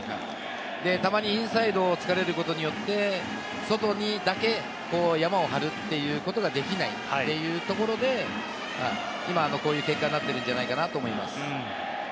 たまにインサイドをつかれることによって、外にだけヤマを張るということができないというところで、今こういう結果になっているんじゃないかなと思います。